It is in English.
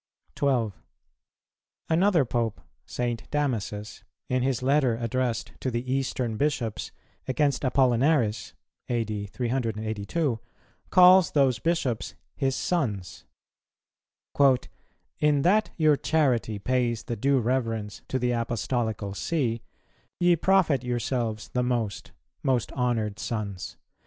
12. Another Pope, St. Damasus, in his letter addressed to the Eastern Bishops against Apollinaris (A.D. 382), calls those Bishops his sons. "In that your charity pays the due reverence to the Apostolical See, ye profit yourselves the most, most honoured sons.